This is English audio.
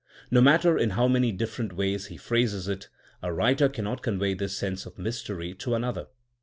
No matter in how many different ways he phrases it, a writer cannot convey this sense of mystery to another.